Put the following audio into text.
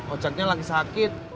ojaknya lagi sakit